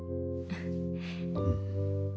うん。